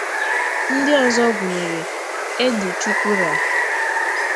Ndị ọzọ gụnyèrè: Eddy Chukwurah